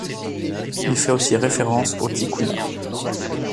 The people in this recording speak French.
Il fait aussi référence aux Ticuna.